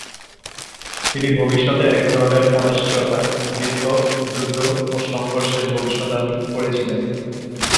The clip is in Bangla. তিনি ভবিষ্যতে এক ধরনের অনিশ্চয়তা, বিপ্লব, যুদ্ধ, ও সংঘর্ষের ভবিষ্যদ্বাণী করেছিলেন।